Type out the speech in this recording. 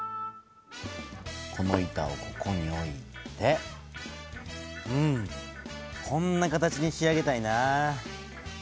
この板をここに置いてうんこんな形に仕上げたいな。